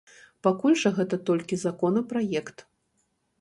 Пакуль жа, гэта толькі законапраект.